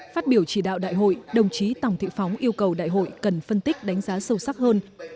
phát biểu chỉ đạo đại hội đồng chí tòng thị phóng yêu cầu đại hội cần phân tích đánh giá sâu sắc hơn